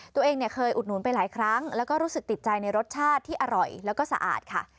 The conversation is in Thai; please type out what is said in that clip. ตัวเองเนี่ยเคยอุดหนุนไปหลายครั้งแล้วก็รู้สึกติดใจในรสชาติที่อร่อยแล้วก็สะอาดค่ะ